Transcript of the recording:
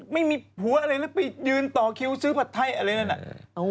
ไม่มีผัวอะไรแล้วไปยืนต่อคิวซื้อผัดไทยอะไรนั่นน่ะ